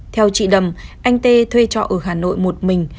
theo chị đầm anh tê thuê trọ ở hà nội một mình